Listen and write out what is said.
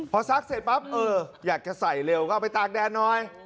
พอซักเสร็จปั๊บเอออยากจะใส่เร็วก็เอาไปตากแดดหน่อย